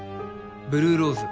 ブルーローズ。